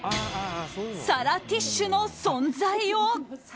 皿ティッシュの存在を。